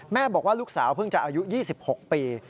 บอกว่าลูกสาวเพิ่งจะอายุ๒๖ปี